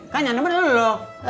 kan nyane bener lo